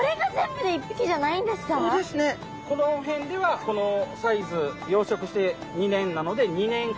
この辺ではこのサイズ養殖して２年なので２年子！